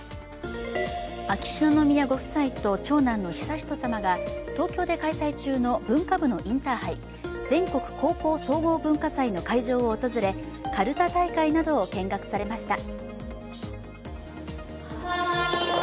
秋篠宮ご夫妻と長男の悠仁さまが東京で開催中の文化部のインターハイ、全国高校総合文化祭の会場を訪れかるた大会などを見学されました。